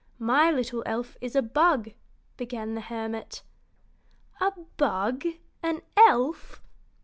"My little elf is a bug," began the hermit. "A bug an elf?"